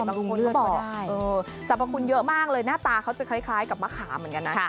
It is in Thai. บางคนเขาบอกสรรพคุณเยอะมากเลยหน้าตาเขาจะคล้ายกับมะขามเหมือนกันนะ